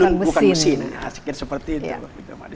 tenun bukan mesin sekir seperti itu